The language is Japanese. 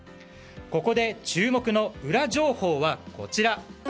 ここで注目のウラ情報はこちら。